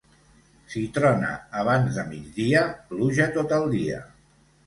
Si trona abans de migdia, pluja tot el dia.